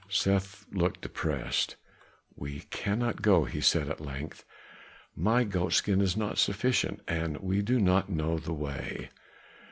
Seth looked depressed. "We cannot go," he said at length, "my goat skin is not sufficient, and we do not know the way."